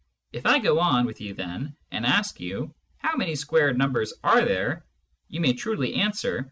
If I go on with you then, and ask you. How many squar'd Numbers there are ? you may truly answer.